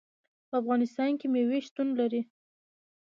په افغانستان کې مېوې شتون لري.